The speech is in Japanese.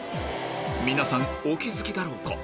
皆さんお気付きだろうか？